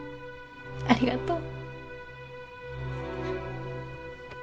ありがとう。